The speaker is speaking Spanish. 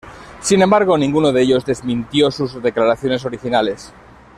Sin embargo, ninguno de ellos desmintió sus declaraciones originales.